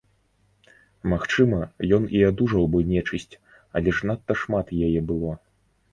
Магчыма, ён і адужаў бы нечысць, але ж надта шмат яе было.